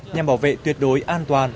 nhằm bảo vệ tuyệt đối an toàn